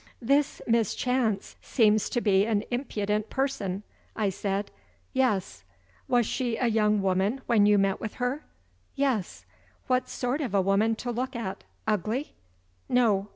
"This Miss Chance seems to be an impudent person?" I said. "Yes." "Was she a young woman, when you met with her?" "Yes." "What sort of a woman to look at? Ugly?" "No."